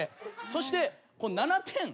そして７点。